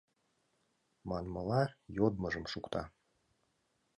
Манмыла, йодмыжым шукта.